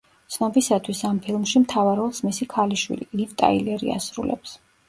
ცნობისათვის ამ ფილმში მთავარ როლს მისი ქალიშვილი ლივ ტაილერი ასრულებს.